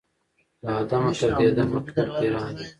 له آدمه تر دې دمه ټول پیران یو